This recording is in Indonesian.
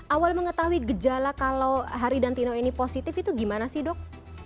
awal mengetahui gejala kalau haridantino ini positif itu gimana sih dok